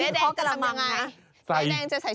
เจ๊แดงจะทำยังไง